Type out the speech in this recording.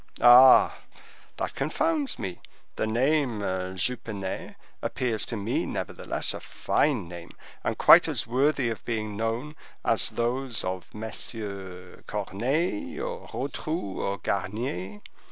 "Ah! that confounds me. That name, Jupenet, appears to me, nevertheless, a fine name, and quite as worthy of being known as those of MM. Corneille, or Rotrou, or Garnier.